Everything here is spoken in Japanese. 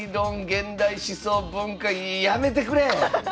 現代思想文化やめてくれ！